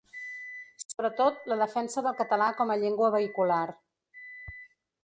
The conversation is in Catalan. Sobretot la defensa del català com a llengua vehicular.